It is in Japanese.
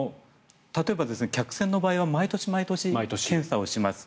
客船の場合は毎年毎年検査をします。